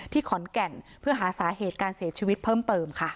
ขอนแก่นเพื่อหาสาเหตุการเสียชีวิตเพิ่มเติมค่ะ